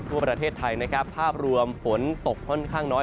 ทั่วประเทศไทยนะครับภาพรวมฝนตกค่อนข้างน้อย